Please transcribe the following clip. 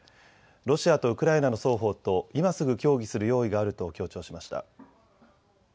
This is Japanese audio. ロシアとウクライナの双方と今すぐ協議する用意があると強調しました。